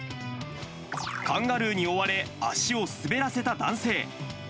カンガルーに追われ、足を滑らせた男性。